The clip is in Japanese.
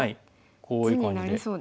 こういう感じで。